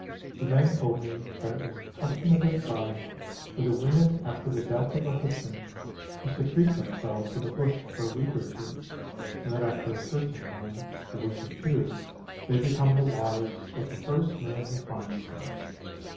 The men told me that it was the custom of their tribe for the women after the death of a husband to secrete themselves in the bush for a week or two, and that after a certain time (a week or two) they become the wives of the first man who finds them.